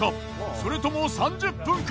それとも３０分か？